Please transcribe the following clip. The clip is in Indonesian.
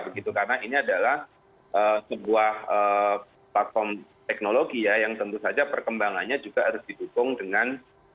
karena ini adalah sebuah platform teknologi yang tentu saja perkembangannya juga harus didukung dengan